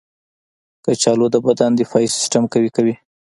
کچالو د بدن دفاعي سیستم قوي کوي.